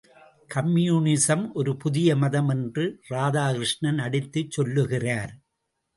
Communism ஒரு புதிய மதம் என்று ராதாகிருஷ்ணன் அடித்துச் சொல்லுகிறார்.